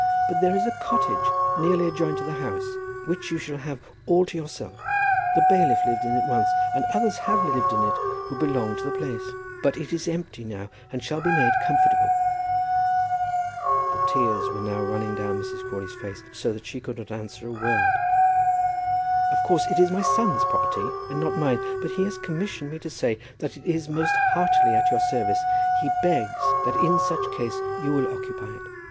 But there is a cottage nearly adjoining to the house, which you shall have all to yourself. The bailiff lived in it once, and others have lived in it who belong to the place; but it is empty now and it shall be made comfortable." The tears were now running down Mrs. Crawley's face, so that she could not answer a word. "Of course it is my son's property, and not mine, but he has commissioned me to say that it is most heartily at your service. He begs that in such case you will occupy it.